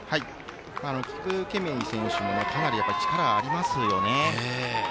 キップケメイ選手もかなり力がありますよね。